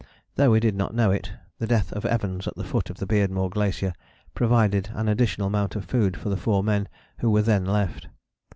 Though we did not know it, the death of Evans at the foot of the Beardmore Glacier provided an additional amount of food for the four men who were then left.